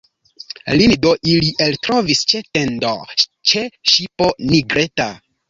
Lin do ili ektrovis ĉe tendo, ĉe ŝipo nigreta.